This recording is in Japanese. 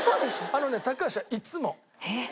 あのね高橋はいつも。